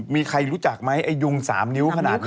มีใครรู้จักไหมไอ้ยุง๓นิ้วขนาดนี้